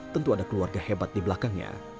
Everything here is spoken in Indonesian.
tentu ada keluarga hebat di belakangnya